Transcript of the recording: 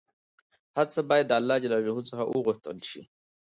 هر څه باید د الله ﷻ څخه وغوښتل شي